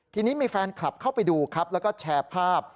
ทีนี้มีแฟนคลับเข้าไปดูครับแล้วก็แชร์ภาพ